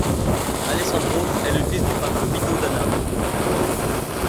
Alessandro est le fils du peintre Vito d'Anna.